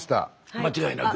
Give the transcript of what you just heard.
間違いなく。